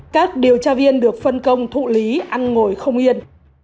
các điều tra viên được phân công thụ lý ăn ngồi không yên